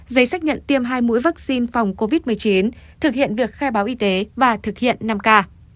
giấy xác nhận tiêm hai mũi vaccine phòng covid một mươi chín thực hiện việc khai báo y tế và thực hiện năm k